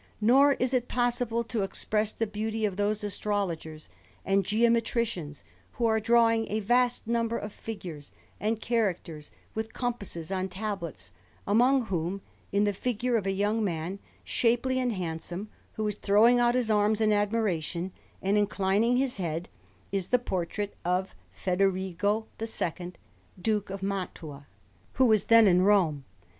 Nor is it possible to express the beauty of those astrologers and geometricians who are drawing a vast number of figures and characters with compasses on tablets: among whom, in the figure of a young man, shapely and handsome, who is throwing out his arms in admiration, and inclining his head, is the portrait of Federigo II, Duke of Mantua, who was then in Rome.